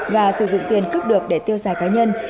và sử dụng tiền cướp được để tiêu xài cá nhân